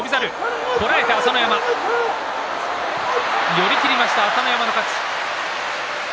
寄り切りました朝乃山の勝ち。